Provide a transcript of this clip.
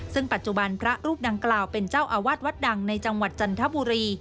ซึ่งปัจจุบันพระรูปดังกล่าวเป็นเจ้าอาวาสวัดดังในจังหวัดจันทบุรี